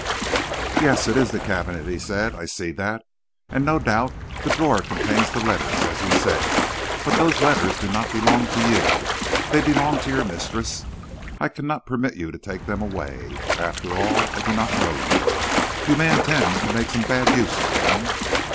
"'Yes, it is the cabinet,' he said. 'I see that. And no doubt the drawer contains the letters, as you say. But those letters do not belong to you. They belong to your mistress. I cannot permit that you take them away, for, after all, I do not know you. You may intend to make some bad use of them.'